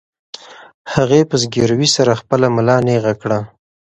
هغې په زګیروي سره خپله ملا نېغه کړه.